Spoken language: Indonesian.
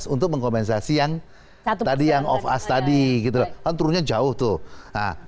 untuk mengkompensasi yang tadi yang off us tadi gitu loh kan turunnya jauh tuh